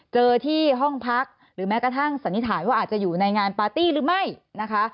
เจอที่ห้องพักหรือแม้กระทั่งสันนิษฐานว่าอาจจะอยู่ในงานปาร์ตี้หรือไม่นะคะ